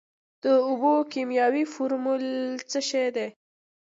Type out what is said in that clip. د اوبو کیمیاوي فارمول څه شی دی.